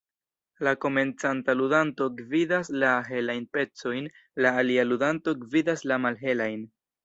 La komencanta ludanto gvidas la helajn pecojn, la alia ludanto gvidas la malhelajn.